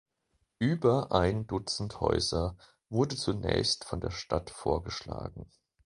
Über ein Dutzend Häuser wurde zunächst von der Stadt vorgeschlagen.